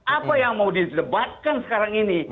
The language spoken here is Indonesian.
apa yang mau didebatkan sekarang ini